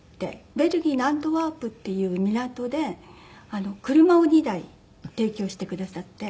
ベルギーのアントワープっていう港で車を２台提供してくださってトヨタの人が。